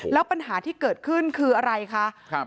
แล้วปัญหาที่เกิดขึ้นคืออะไรคะ